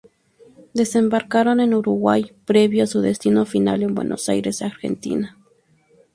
Desembarcaron en Uruguay previo a su destino final en Buenos Aires, Argentina.